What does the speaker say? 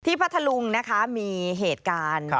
พัทธลุงนะคะมีเหตุการณ์